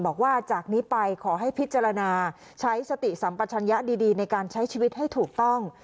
บอกว่าจากนี้ไปขอให้พิจารณาใช้สติสัมปัชญะดีในการใช้ชีวิตให้ถูกต้อง